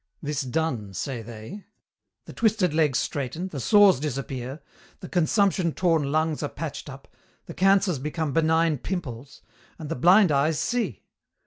This done say they the twisted legs straighten, the sores disappear, the consumption torn lungs are patched up, the cancers become benign pimples, and the blind eyes see.